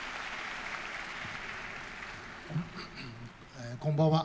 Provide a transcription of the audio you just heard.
えこんばんは。